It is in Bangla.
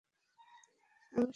আমার সব কারন ভুল।